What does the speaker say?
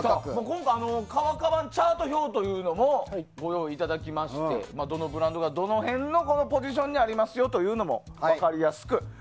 今回、革カバンチャート表というものをご用意いただきましてどのブランドがどの辺のポジションにありますよというのも分かりやすく。